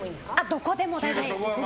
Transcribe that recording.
どこでも大丈夫です。